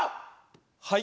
はい。